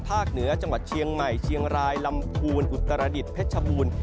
เหนือจังหวัดเชียงใหม่เชียงรายลำพูนอุตรดิษฐเพชรบูรณ์